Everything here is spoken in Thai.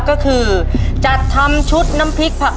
ตัวเลือกที่สี่ชัชวอนโมกศรีครับ